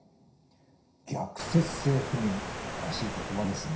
逆説性不眠新しい言葉ですね。